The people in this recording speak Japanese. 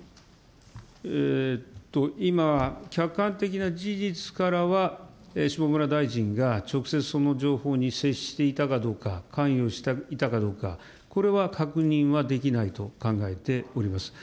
今、客観的な事実からは、下村大臣が直接、その情報に接していたかどうか、関与していたかどうか、これは確認はできないと考えております。